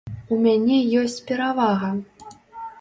У мяне ёсць перавага!